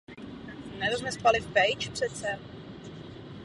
A. v Barceloně.